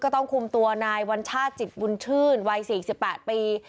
ต้องคุมตัวนายวัญชาติจิตบุญชื่นวัย๔๘ปี